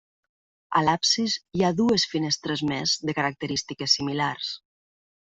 A l'absis hi ha dues finestres més de característiques similars.